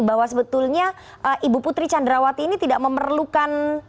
bahwa sebetulnya ibu putri candrawati ini tidak memerlukan